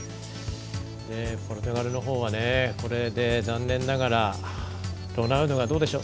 ポルトガルの方はこれで残念ながらロナウドがどうでしょう。